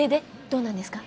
どうなんですか？